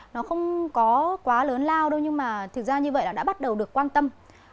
nó không có quá lớn lao nhưng mà thực ra như vậy là đã bắt đầu được quan tâm